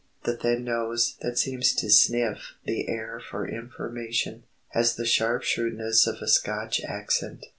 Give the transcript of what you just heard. The thin nose, that seems to sniff the air for information, has the sharp shrewdness of a Scotch accent.